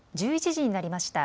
１１時になりました。